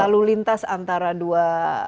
lalu lintas antara dua